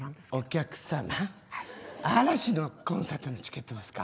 お客さま嵐のコンサートのチケットですか。